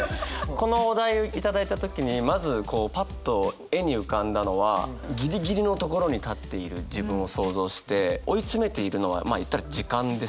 このお題を頂いた時にまずこうパッと絵に浮かんだのはギリギリのところに立っている自分を想像して追い詰めているのはまあ言ったら時間ですよね。